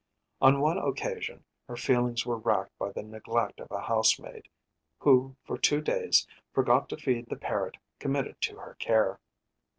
On one occasion her feelings were racked by the neglect of a housemaid, who for two days forgot to feed the parrot committed to her care.